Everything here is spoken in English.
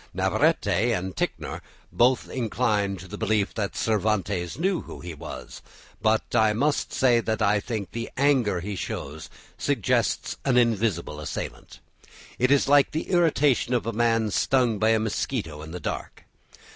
Navarrete and Ticknor both incline to the belief that Cervantes knew who he was; but I must say I think the anger he shows suggests an invisible assailant; it is like the irritation of a man stung by a mosquito in the dark.